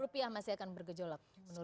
rupiah masih akan bergejolak menurut anda